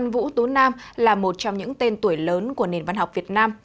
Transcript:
vũ tú nam là một trong những tên tuổi lớn của nền văn học việt nam